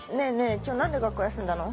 今日何で学校休んだの？